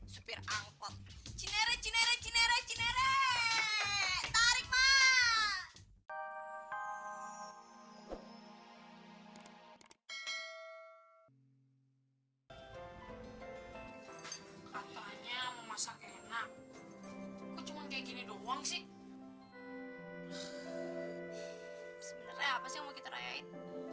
sebenernya apa sih yang mau kita rayain